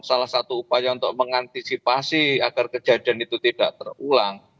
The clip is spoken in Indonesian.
salah satu upaya untuk mengantisipasi agar kejadian itu tidak terulang